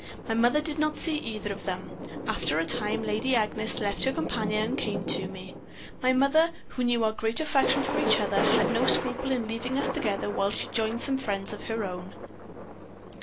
My mother did not see either of them. After a time Lady Agnes left her companion and came to me. My mother, who knew our great affection for each other, had no scruple in leaving us together while she joined some friends of her own.